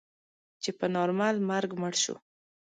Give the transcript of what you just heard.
چې په نارمل مرګ مړ شو.